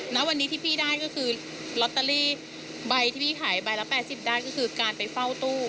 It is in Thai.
ณวันนี้ที่พี่ได้ก็คือลอตเตอรี่ใบที่พี่ขายใบละ๘๐ได้ก็คือการไปเฝ้าตู้